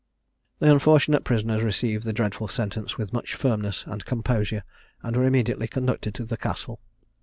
The unfortunate prisoners received the dreadful sentence with much firmness and composure, and were immediately conducted to the Castle.